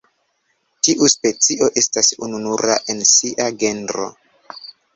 Tiu specio estas ununura en sia genro.